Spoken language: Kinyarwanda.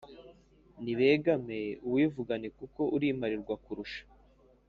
Nibegame uwivugane kuko uri imparirwakurusha!